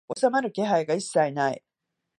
収まる気配が一切ない